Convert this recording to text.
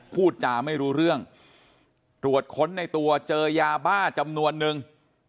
พูดจาไม่รู้เรื่องตรวจค้นในตัวเจอยาบ้าจำนวนนึง